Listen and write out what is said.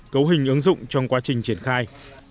cấu hình ứng dụng trong quá trình triển khai